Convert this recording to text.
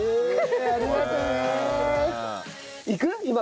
ありがとうね。